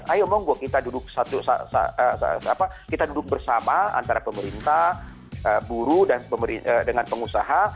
ayo monggo kita duduk bersama antara pemerintah buruh dengan pengusaha